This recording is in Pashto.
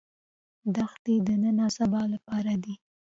دښتې د نن او سبا لپاره دي.